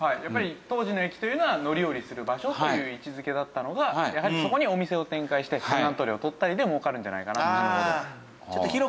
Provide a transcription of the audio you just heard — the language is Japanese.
やっぱり当時の駅というのは乗り降りする場所という位置づけだったのがやはりそこにお店を展開してテナント料を取ったりで儲かるんじゃないかなと。